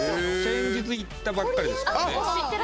先日行ったばっかりですからね。